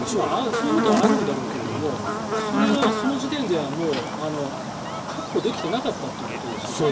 そういうこともあるんだろうけどそれはその時点では確保できてなかったということですよね。